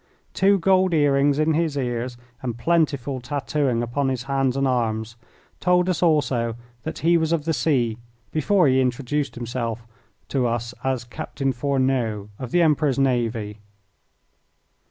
Two gold earrings in his ears, and plentiful tattooing upon his hands and arms, told us also that he was of the sea before he introduced himself to us as Captain Fourneau, of the Emperor's navy.